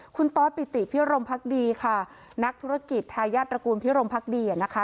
คุณตอสปิติพิรมพักดีค่ะนักธุรกิจทายาทตระกูลพิรมพักดีนะคะ